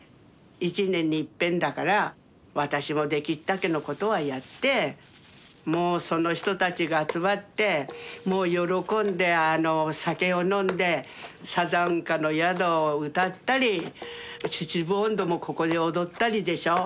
一年にいっぺんだから私もできるだけのことはやってもうその人たちが集まってもう喜んで酒を飲んで「さざんかの宿」を歌ったり「秩父音頭」もここで踊ったりでしょ。